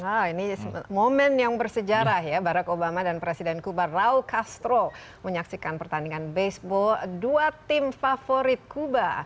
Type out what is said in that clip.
nah ini momen yang bersejarah ya barack obama dan presiden kuba raul castro menyaksikan pertandingan baseball dua tim favorit kuba